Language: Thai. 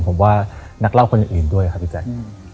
ผมว่านักเล่าคนอื่นด้วยครับพี่แจ๊ค